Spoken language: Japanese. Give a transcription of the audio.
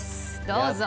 どうぞ！